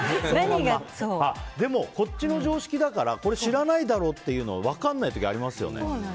でもこっちの常識だからこれ知らないだろうって分からない時ありますよね。